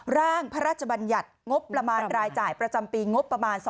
ร่างพระราชบัญญัติงบประมาณรายจ่ายประจำปีงบประมาณ๒๕๖